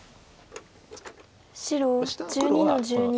白１２の十二。